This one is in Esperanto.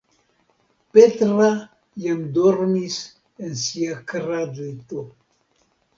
Petra jam dormis en sia kradlito.